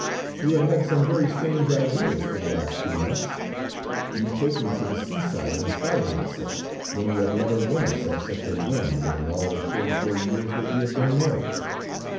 You have had some very strange ideas for the last two months. You take me to the sea side in spite of myself, when you have never once had such a whim during all the forty four years that we have been married.